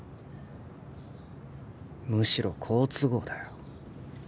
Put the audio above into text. むしろ好都合だよ